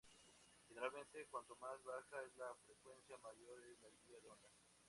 Generalmente, cuanto más baja es la frecuencia, mayor es la guía de onda.